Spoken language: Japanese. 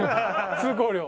通行料。